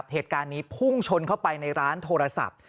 เหตุการณ์นี้พุ่งชนเข้าไปในร้านโทรศัพท์